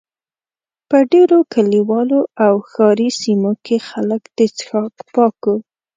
په ډېرو کلیوالو او ښاري سیمو کې خلک د څښاک پاکو.